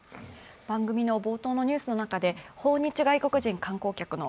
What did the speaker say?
番組の冒頭のニュースの中で訪日外国人観光客の